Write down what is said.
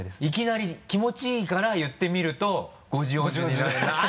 いきなり気持ちいいから言ってみると５０音順になって。